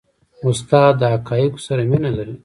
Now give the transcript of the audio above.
استاد د حقایقو سره مینه لري.